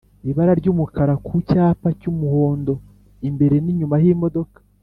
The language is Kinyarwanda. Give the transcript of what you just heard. ibara ry’umukara ku cyapa cy’umuhondo imbere n’inyuma h’imodoka